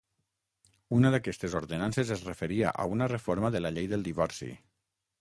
Una d'aquestes ordenances es referia a una reforma de la llei del divorci.